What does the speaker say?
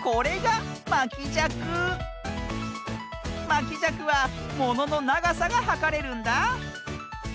まきじゃくはもののながさがはかれるんだ。